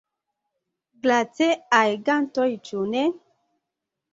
Glaceaj gantoj, ĉu ne?